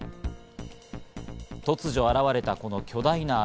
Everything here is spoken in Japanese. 突如現れたこの巨大な穴。